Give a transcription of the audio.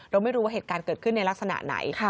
เราไม่รู้ว่าเหตุการณ์เกิดขึ้นในลักษณะไหน